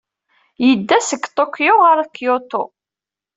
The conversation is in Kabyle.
Yedda seg Tokyo ɣer Kyoto.